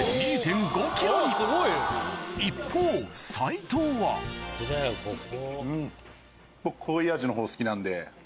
一方齊藤はうん僕。